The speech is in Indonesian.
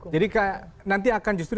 jadi nanti akan justru